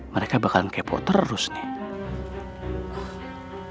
mereka bakal kepo terus nih